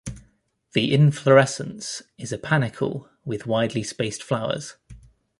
The inflorescence is a panicle with widely spaced flowers.